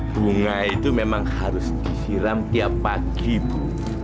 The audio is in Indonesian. bunga itu memang harus disiram tiap pagi bu